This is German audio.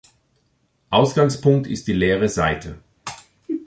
Ausgangspunkt ist die leere Saite.